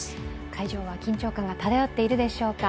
会場は緊張感が漂っているでしょうか。